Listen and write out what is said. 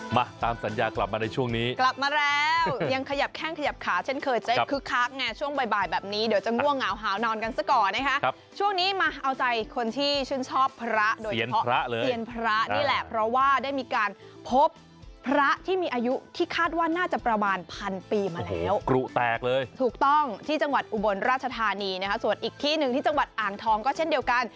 มาตามสัญญากลับมาในช่วงนี้กลับมาแล้วยังขยับแข้งขยับขาเช่นเคยจะคึกคักแง่ช่วงบ่ายบ่ายแบบนี้เดี๋ยวจะง่วงเหงาหาวนอนกันสักก่อนนะครับช่วงนี้มาเอาใจคนที่ชื่นชอบพระโดยเพราะเสียนพระเลยเสียนพระนี่แหละเพราะว่าได้มีการพบพระที่มีอายุที่คาดว่าน่าจะประมาณพันปีมาแล้วโอ้โหกรุแตกเลยถูกต